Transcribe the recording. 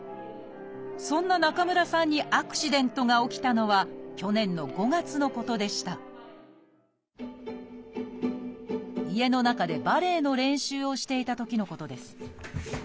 そんな中村さんにアクシデントが起きたのは去年の５月のことでした家の中でバレエの練習をしていたときのことです。